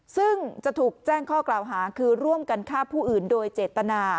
ซึ่งจะถูกแจ้งข้อกล่าวหาคือร่วมกันฆ่าผู้อื่นโดยเจตนา